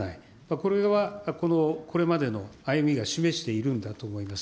これはこれまでの歩みが示しているんだと思います。